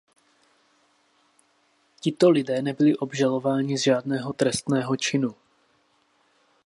Tito lidé nebyli obžalováni z žádného trestného činu.